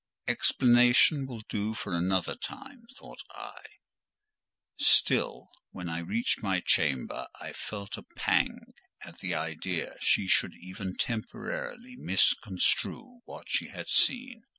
"Explanation will do for another time," thought I. Still, when I reached my chamber, I felt a pang at the idea she should even temporarily misconstrue what she had seen.